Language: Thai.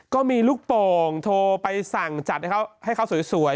ก็มีลูกโป่งโทรไปสั่งจัดให้เขาสวย